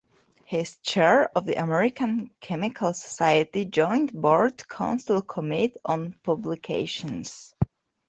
She is Chair of the American Chemical Society Joint Board Council Committee on Publications.